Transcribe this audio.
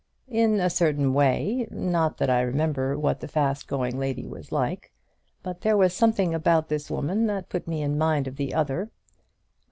"In a certain way. Not that I remember what the fast going lady was like; but there was something about this woman that put me in mind of the other.